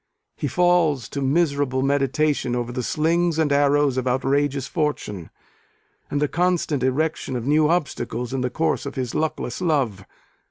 He falls to miserable meditation over the slings and arrows of outrageous Fortune, and the constant erection of new obstacles in the course of his luckless love.